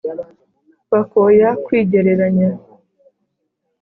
bakoya kwigereranya